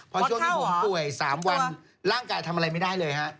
พอช่วงที่ผมป่วย๓วันร่างกายทำอะไรไม่ได้เลยฮะ